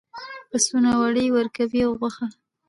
پسونه وړۍ ورکوي او غوښه.